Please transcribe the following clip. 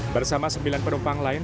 bersama sembilan penumpang lain